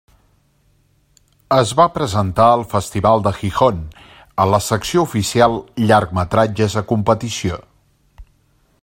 Es va presentar al Festival de Gijón en la secció oficial llargmetratges a competició.